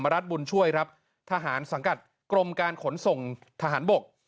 รัฐบุญช่วยครับทหารสังกัดกรมการขนส่งทหารบก